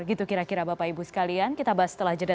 gitu kira kira bapak ibu sekalian kita bahas setelah jeda